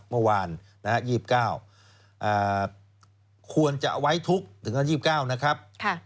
เมื่อวาน๒๙ควรจะไว้ทุกข์ถึง๒๙นะครับ